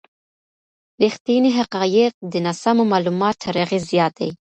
ریښتیني حقایق د ناسمو معلوماتو تر اغېز زیات دي.